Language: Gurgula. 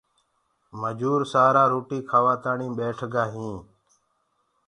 مجور سآرآ روٽي کآوآ تآڻي ٻيٺ گآ هينٚ